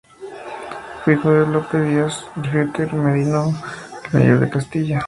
Fue hijo de Lope Díaz de Fitero, merino mayor de Castilla.